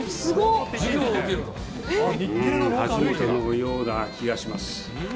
初めてのような気がします。